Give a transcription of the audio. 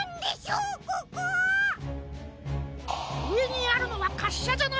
うえにあるのはかっしゃじゃな。